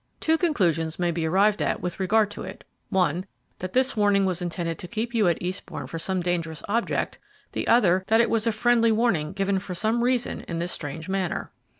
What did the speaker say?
Two conclusions may be arrived at with regard to it: one, that this warning was intended to keep you at Eastbourne for some dangerous object; the other, that it was a friendly warning given for some reason in this strange manner."